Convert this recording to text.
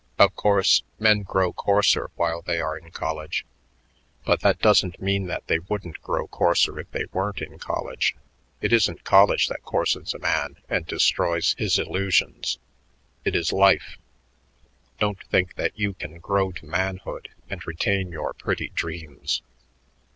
Of course, men grow coarser while they are in college, but that doesn't mean that they wouldn't grow coarser if they weren't in college. It isn't college that coarsens a man and destroys his illusions; it is life. Don't think that you can grow to manhood and retain your pretty dreams.